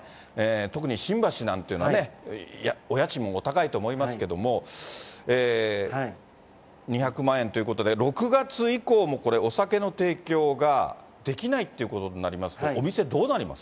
特に新橋なんていうのはね、お家賃もお高いと思いますけれども、２００万円ということで、６月以降も、これ、お酒の提供ができないっていうことになります